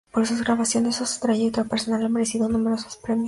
Por sus grabaciones o su trayectoria personal ha merecido numerosos premios.